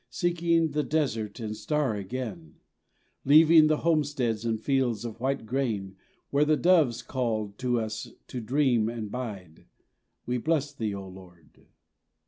Seeking the desert and star again, Leaving the homesteads and fields of white grain Where the doves called us to dream and bide. We bless Thee, Lord.